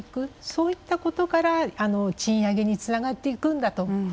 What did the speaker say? そういったことから賃上げにつながっていくんだと。